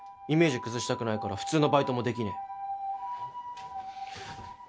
イメージ崩したくないから普通のバイトもできねえ。